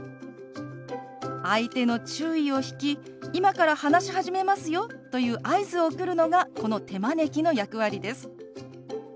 相手の注意を引き「今から話し始めますよ」という合図を送るのがこの手招きの役割です。